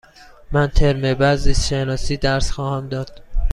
من ترم بعد زیست شناسی درس خواهم داد.